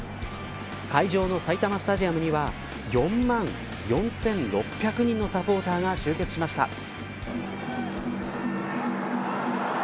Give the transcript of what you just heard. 会場の埼玉スタジアムには４万４６００人のサポーターが集結しました。